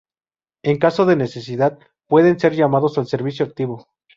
En caso de necesidad, pueden ser llamados al servicio activo.